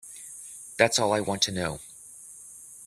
That's all I want to know.